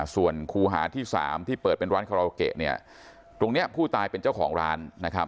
ส่วนคู่หาที่๓ที่เปิดเป็นร้านคาราโอเกะเนี่ยตรงนี้ผู้ตายเป็นเจ้าของร้านนะครับ